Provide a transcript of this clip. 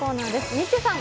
ニッチェさん